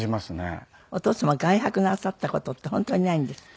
お父様外泊なさった事って本当にないんですって？